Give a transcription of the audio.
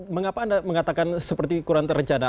mengapa anda mengatakan seperti kurang terencana